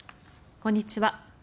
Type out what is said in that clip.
こんにちは。